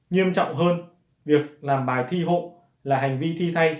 nghiêm trọng hơn việc làm bài thi hộ là hành vi thi thay